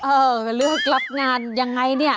เอ่อเลือกรับงานอย่างไรนี่